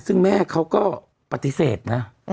ซึ่งแม่เขาก็ปฏิเสธนะ